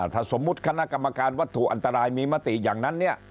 ถ้าสมมุติคณะกรรมการวัตถุอันตรายมีมติอย่างนั้นเนี่ย